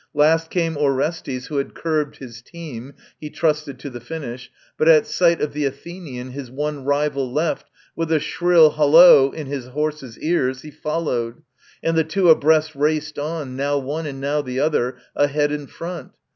Last came Orestes who had curbed his team (He trusted to the finish), but at sight Of the Athenian, his one rival left, With a shrill holloa in his horses' ears He followed ; and the two abreast raced on, Now one, and now the other a head in front.